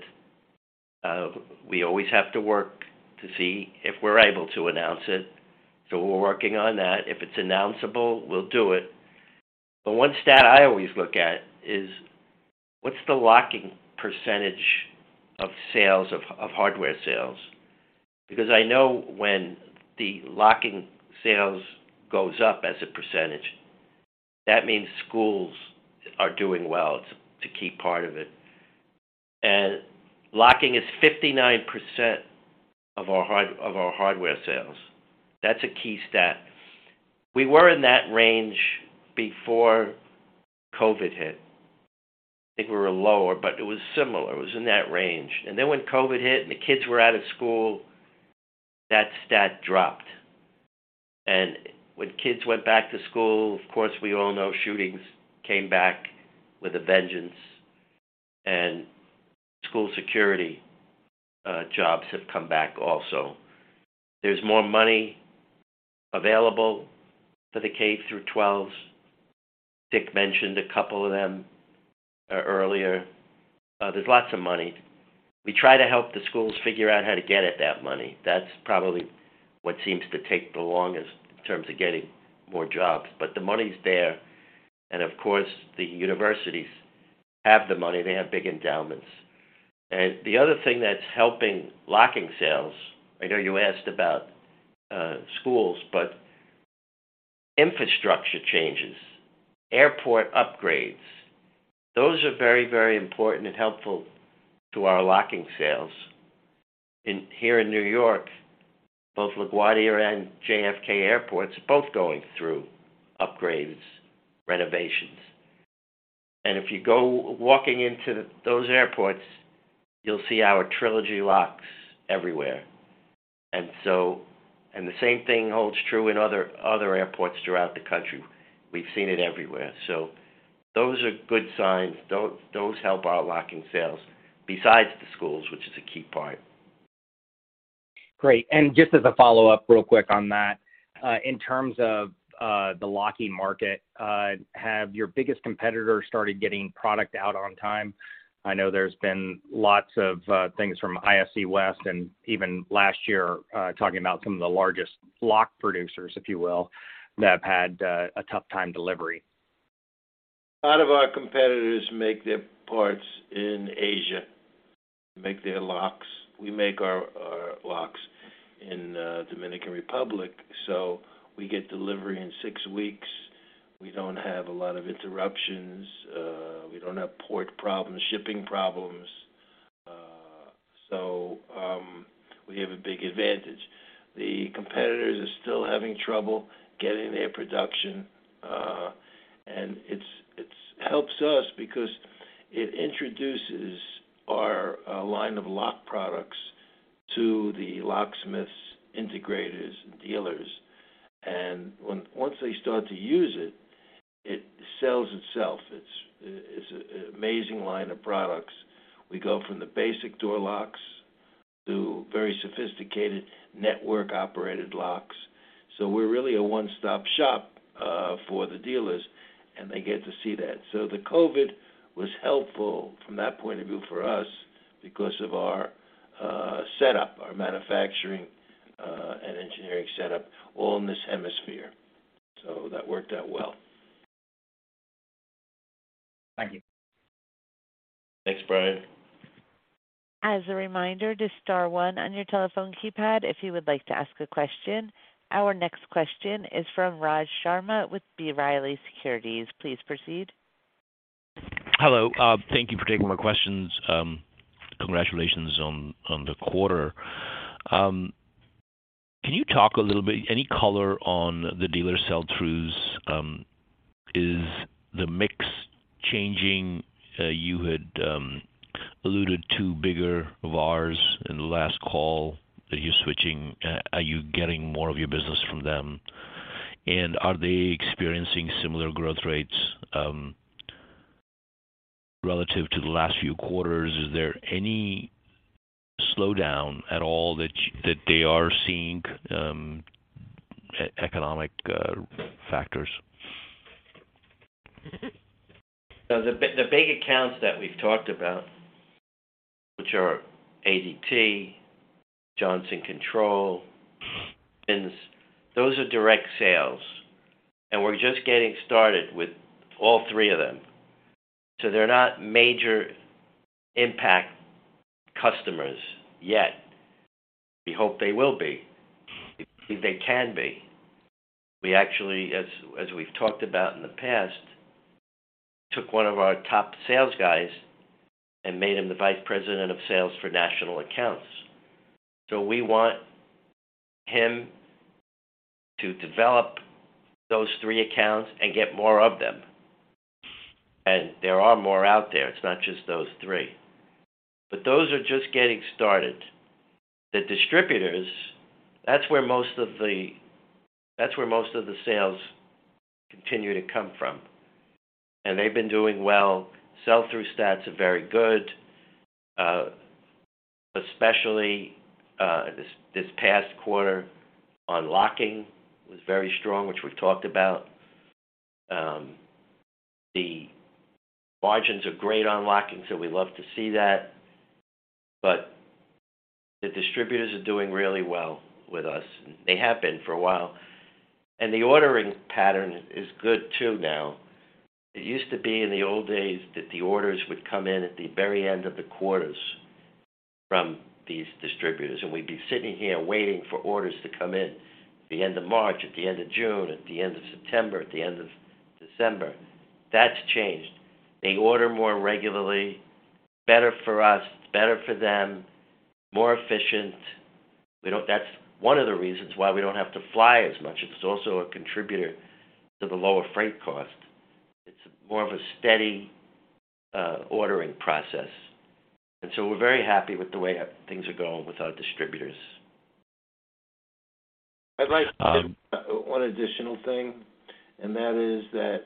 We always have to work to see if we're able to announce it, so we're working on that. If it's announceable, we'll do it. One stat I always look at is, what's the locking % of sales of hardware sales? I know when the locking sales goes up as a %, that means schools are doing well. It's a key part of it. Locking is 59% of our hardware sales. That's a key stat. We were in that range before COVID hit. I think we were lower, but it was similar. It was in that range. Then when COVID hit and the kids were out of school, that stat dropped. When kids went back to school, of course, we all know shootings came back with a vengeance, and school security, jobs have come back also. There's more money available for the K-12s.As mentioned a couple of them earlier. There's lots of money. We try to help the schools figure out how to get at that money. That's probably what seems to take the longest in terms of getting more jobs, but the money's there. Of course, the universities have the money. They have big endowments. The other thing that's helping locking sales... I know you asked about, schools, but infrastructure changes, airport upgrades, those are very, very important and helpful to our locking sales. Here in New York, both LaGuardia and JFK airports are both going through upgrades, renovations. If you go walking into those airports, you'll see our Trilogy locks everywhere. The same thing holds true in other airports throughout the country. We've seen it everywhere. Those are good signs. Those help our locking sales, besides the schools, which is a key part. Great. Just as a follow-up real quick on that, in terms of, the locking market, have your biggest competitors started getting product out on time? I know there's been lots of, things from ISC West and even last year, talking about some of the largest lock producers, if you will, that have had a tough time delivering. A lot of our competitors make their parts in Asia, make their locks. We make our locks in the Dominican Republic, so we get delivery in six weeks. We don't have a lot of interruptions. We don't have port problems, shipping problems. We have a big advantage. The competitors are still having trouble getting their production, it helps us because it introduces our line of lock products to the locksmiths, integrators and dealers. Once they start to use it sells itself. It's an amazing line of products. We go from the basic door locks to very sophisticated network operated locks. We're really a one-stop shop for the dealers, and they get to see that. The COVID was helpful from that point of view for us because of our setup, our manufacturing, and engineering setup all in this hemisphere. That worked out well. Thank you. Thanks, Brian. As a reminder to star one on your telephone keypad if you would like to ask a question. Our next question is from Raj Sharma with B. Riley Securities. Please proceed. Hello. Thank you for taking my questions. Congratulations on the quarter. Can you talk a little bit? Any color on the dealer sell-throughs? Is the mix changing? You had alluded to bigger VARs in the last call. Are you switching? Are you getting more of your business from them? Are they experiencing similar growth rates relative to the last few quarters? Is there any slowdown at all that they are seeing economic factors? The big accounts that we've talked about, which are ADT, Johnson Controls, those are direct sales, we're just getting started with all three of them. They're not major impact customers yet. We hope they will be. We believe they can be. We actually, as we've talked about in the past, took one of our top sales guys and made him the vice president of sales for national accounts. We want him to develop those three accounts and get more of them. There are more out there. It's not just those three. Those are just getting started. The distributors, that's where most of the sales continue to come from. They've been doing well. Sell-through stats are very good, especially this past quarter on locking was very strong, which we've talked about. The margins are great on locking, we love to see that. The distributors are doing really well with us. They have been for a while. The ordering pattern is good too now. It used to be in the old days that the orders would come in at the very end of the quarters from these distributors, and we'd be sitting here waiting for orders to come in at the end of March, at the end of June, at the end of September, at the end of December. That's changed. They order more regularly, better for us, it's better for them, more efficient. We don't. That's one of the reasons why we don't have to fly as much. It's also a contributor to the lower freight cost. It's more of a steady ordering process. We're very happy with the way things are going with our distributors. I'd like to add one additional thing, and that is that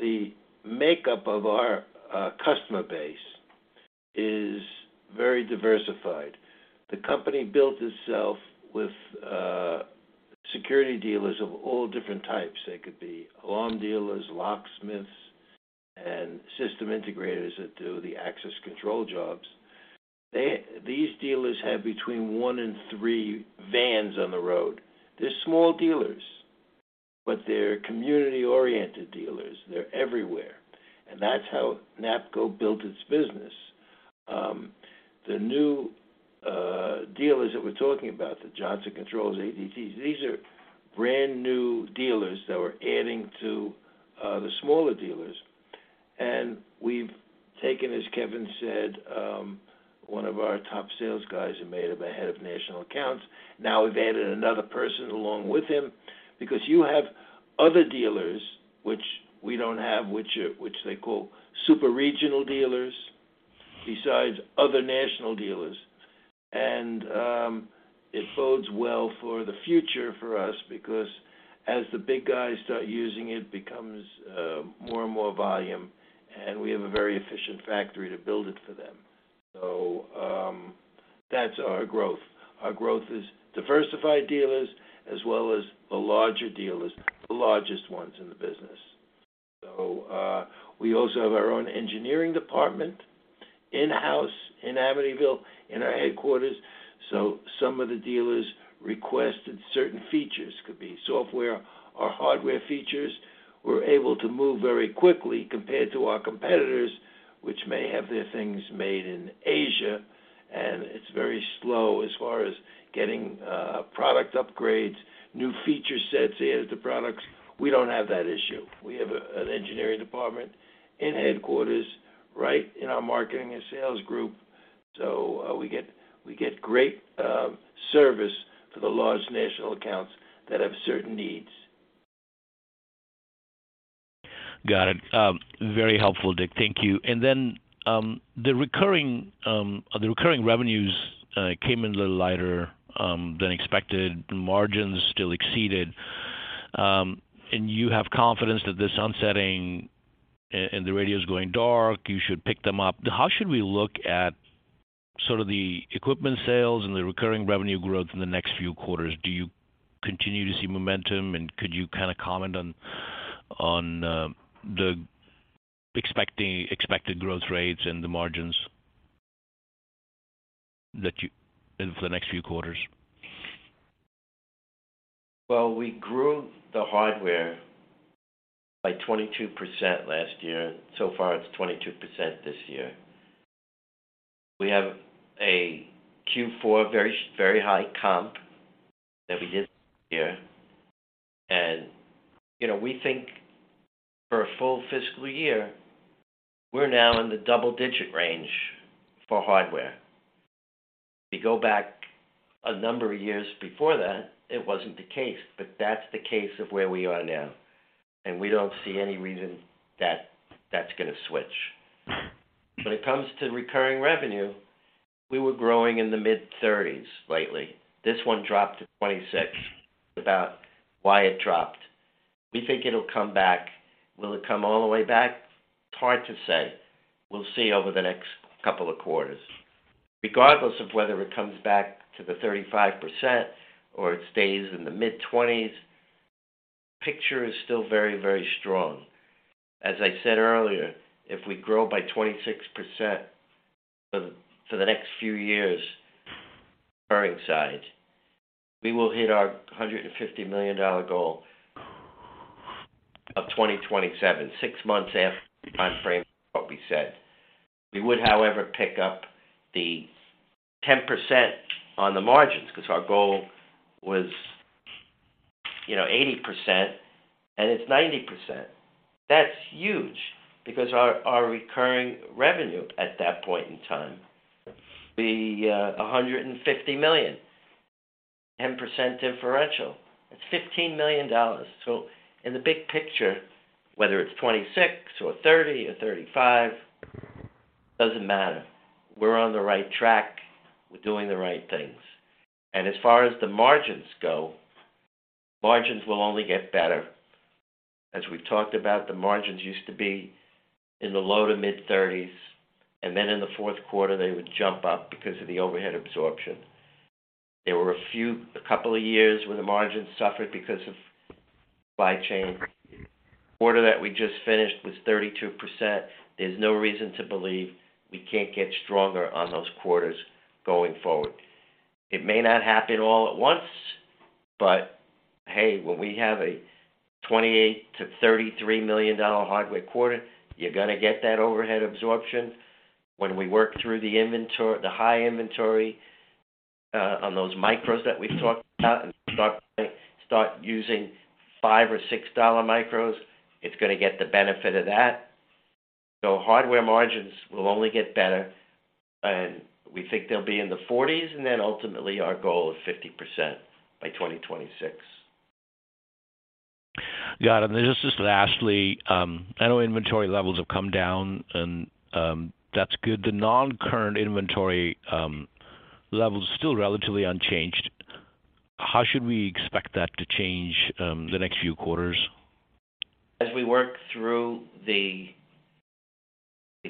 the makeup of our customer base is very diversified. The company built itself with security dealers of all different types. They could be alarm dealers, locksmiths, and system integrators that do the access control jobs. These dealers have between one and three vans on the road. They're small dealers, but they're community-oriented dealers. They're everywhere. That's how NAPCO built its business. The new dealers that we're talking about, the Johnson Controls, ADTs, these are brand new dealers that we're adding to the smaller dealers. We've taken, as Kevin said, one of our top sales guys and made him the head of national accounts. Now we've added another person along with him because you have other dealers which we don't have, which they call super regional dealers besides other national dealers. It bodes well for the future for us because as the big guys start using, it becomes more and more volume, and we have a very efficient factory to build it for them. That's our growth. Our growth is diversified dealers as well as the larger dealers, the largest ones in the business. We also have our own engineering department in-house in Amityville in our headquarters. Some of the dealers requested certain features. Could be software or hardware features. We're able to move very quickly compared to our competitors, which may have their things made in Asia, and it's very slow as far as getting product upgrades, new feature sets into products. We don't have that issue. We have an engineering department in headquarters right in our marketing and sales group. We get great service for the large national accounts that have certain needs. Got it. very helpful. Thank you. The recurring revenues, came in a little lighter, than expected. Margins still exceeded. You have confidence that this onsetting and the radios going dark, you should pick them up. How should we look at sort of the equipment sales and the recurring revenue growth in the next few quarters? Do you continue to see momentum? Could you kinda comment on, the expected growth rates and the margins that you in the next few quarters? Well, we grew the hardware by 22% last year. So far, it's 22% this year. We have a Q4 very high comp that we did here. You know, we think for a full fiscal year, we're now in the double-digit range for hardware. We go back a number of years before that, it wasn't the case, but that's the case of where we are now, and we don't see any reason that that's gonna switch. When it comes to recurring revenue, we were growing in the mid-30s lately. This one dropped to 26 without why it dropped. We think it'll come back. Will it come all the way back? It's hard to say. We'll see over the next couple of quarters. Regardless of whether it comes back to the 35% or it stays in the mid-20s, the picture is still very, very strong. As I said earlier, if we grow by 26% for the next few years, recurring side, we will hit our $150 million goal of 2027, 6 months after the time frame of what we said. We would, however, pick up the 10% on the margins because our goal was, you know, 80%, it's 90%. That's huge because our recurring revenue at that point in time will be $150 million. 10% differential. It's $15 million. In the big picture, whether it's 26% or 30% or 35%, doesn't matter. We're on the right track. We're doing the right things. As far as the margins go, margins will only get better. As we talked about, the margins used to be in the low to mid-30s, and then in the Q4, they would jump up because of the overhead absorption. There were a couple of years where the margins suffered because of supply chain. The quarter that we just finished was 32%. There's no reason to believe we can't get stronger on those quarters going forward. It may not happen all at once, but hey, when we have a $28 million-$33 million hardware quarter, you're gonna get that overhead absorption. When we work through the high inventory on those micros that we've talked about and start using $5 or $6 micros, it's gonna get the benefit of that. Hardware margins will only get better, and we think they'll be in the 40s, and then ultimately, our goal is 50% by 2026. Got it. Then just lastly, I know inventory levels have come down and, that's good. The non-current inventory, level is still relatively unchanged. How should we expect that to change, the next few quarters? As we work through the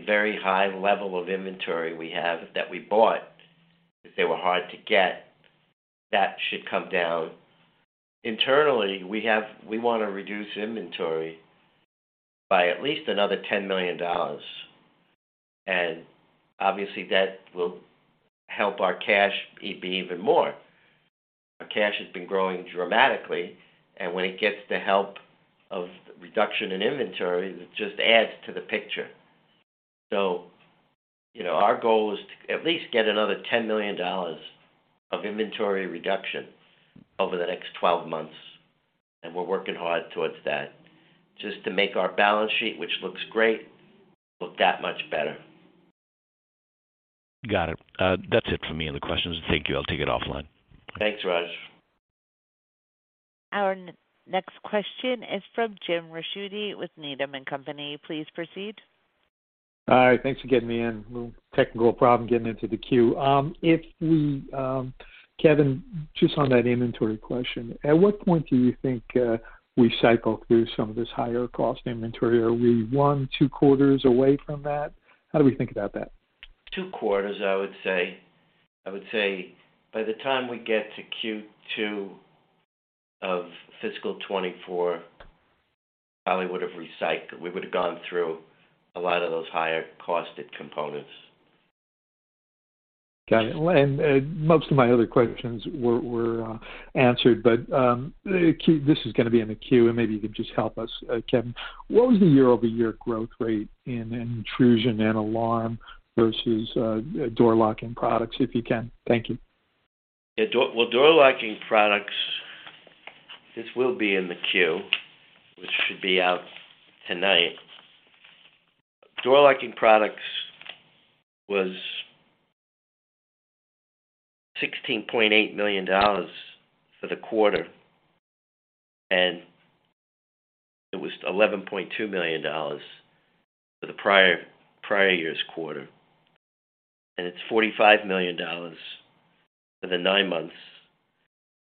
very high level of inventory we have that we bought, because they were hard to get, that should come down. Internally, we want to reduce inventory by at least another $10 million. Obviously, that will help our cash be even more. Our cash has been growing dramatically, and when it gets the help of reduction in inventory, it just adds to the picture. You know, our goal is to at least get another $10 million of inventory reduction over the next 12 months, and we're working hard towards that just to make our balance sheet, which looks great, look that much better. Got it. That's it for me in the questions. Thank you. I'll take it offline. Thanks, Raj. Our next question is from Jim Ricchiuti with Needham & Company. Please proceed. Hi. Thanks for getting me in. Little technical problem getting into the queue. If we, Kevin, just on that inventory question, at what point do you think we cycle through some of this higher cost inventory? Are we one, two quarters away from that? How do we think about that? Two quarters, I would say. I would say by the time we get to Q2 of fiscal 2024, probably would have recycled. We would have gone through a lot of those higher-costed components. Got it. Most of my other questions were, answered, but, this is gonna be in the queue, and maybe you could just help us, Kevin. What was the year-over-year growth rate in intrusion and alarm versus, door locking products, if you can? Thank you. Yeah. Door locking products. This will be in the Q, which should be out tonight. Door locking products was $16.8 million for the quarter, and it was $11.2 million for the prior year's quarter. It's $45 million for the nine months,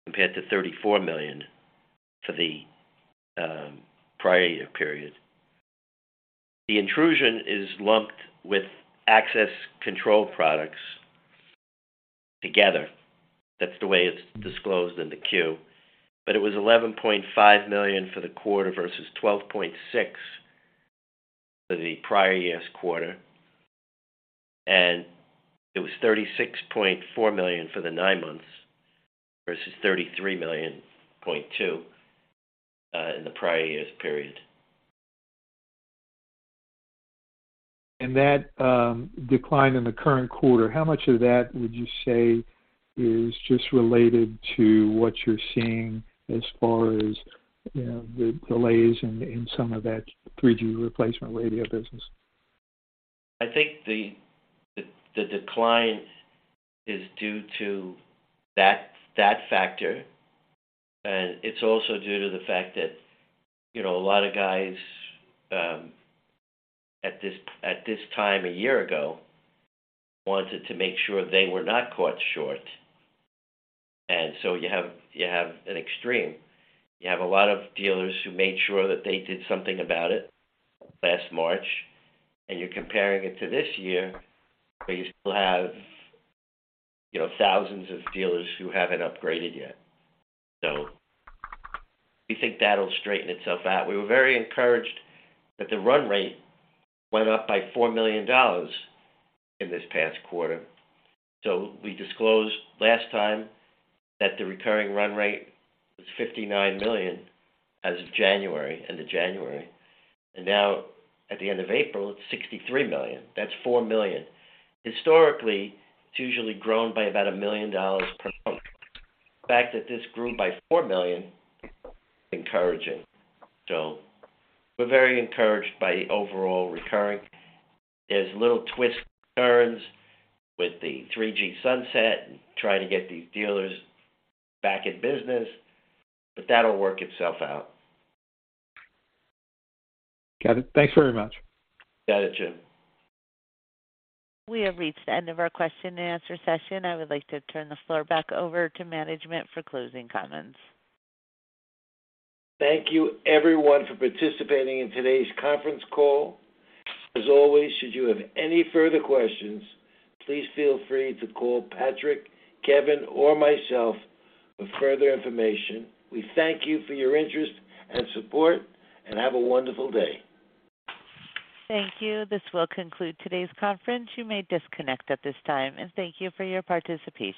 compared to $34 million for the prior year period. The intrusion is lumped with access control products together. That's the way it's disclosed in the Q. It was $11.5 million for the quarter versus $12.6 million for the prior year's quarter. It was $36.4 million for the nine months versus $33.2 million in the prior year's period. And that, decline in the current quarter, how much of that would you say is just related to what you're seeing as far as, you know, the delays in some of that 3G replacement radio business? I think the decline is due to that factor, and it's also due to the fact that, you know, a lot of guys at this time a year ago wanted to make sure they were not caught short. You have an extreme. You have a lot of dealers who made sure that they did something about it last March. You're comparing it to this year, where you still have, you know, thousands of dealers who haven't upgraded yet. We think that'll straighten itself out. We were very encouraged that the run rate went up by $4 million in this past quarter. We disclosed last time that the recurring run rate was $59 million as of January, end of January. Now at the end of April, it's $63 million. That's $4 million. Historically, it's usually grown by about $1 million per month. The fact that this grew by $4 million is encouraging. We're very encouraged by overall recurring. There's little twists and turns with the 3G sunset and trying to get these dealers back in business, that'll work itself out. Got it. Thanks very much. You got it, Jim. We have reached the end of our question and answer session. I would like to turn the floor back over to management for closing comments. Thank you everyone for participating in today's conference call. As always, should you have any further questions, please feel free to call Patrick, Kevin or myself for further information. We thank you for your interest and support and have a wonderful day. Thank you. This will conclude today's conference. You may disconnect at this time and thank you for your participation.